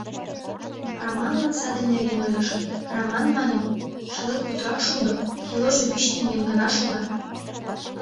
Раманлан саде нерген ойлышым: Раман, маньым, шылет путырак шулдо, киложо вич теҥгем гына шога.